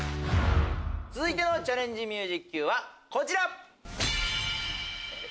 続いてのチャレンジミュージッＱこちら！